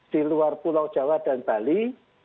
di luar pulau jawa dan bali